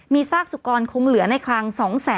มีซากสุกรคงเหลือในคราง